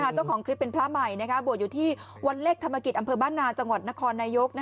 เจ้าของคลิปเป็นพระใหม่บวชอยู่ที่วันเลขธรรมกิจอำเภอบ้านนาจังหวัดนครนายก